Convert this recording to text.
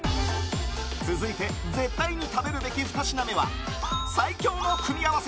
続いて絶対に食べるべき２品目は最強の組み合わせ！